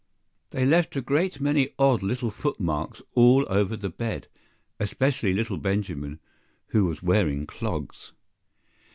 They left a great many odd little foot marks all over the bed, especially little Benjamin, who was wearing clogs.